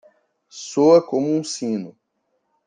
Soa como um sino.